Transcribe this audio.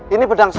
ini pedang saya